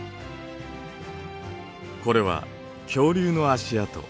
これは恐竜の足跡。